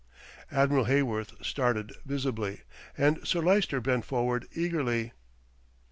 Admiral Heyworth started visibly, and Sir Lyster bent forward eagerly.